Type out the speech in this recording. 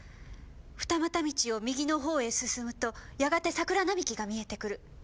二股路を右の方へ進むとやがて桜並木が見えてくる。